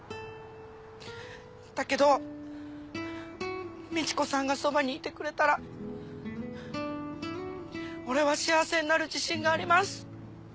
だけどみち子さんがそばにいてくれたら俺は幸せになる自信があります。